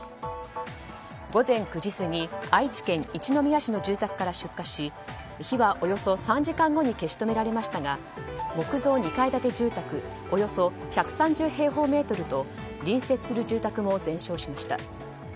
午前９時過ぎ愛知県一宮市の住宅から出火し火はおよそ３時間後に消し止められましたが木造２階建て住宅およそ１３０平方メートルと隣接する住宅も全焼しました。